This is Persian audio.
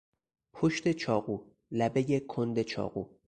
پشت چاقو، لبهی کند چاقو